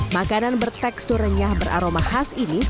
makanan bertekstur renyah beraroma khas ini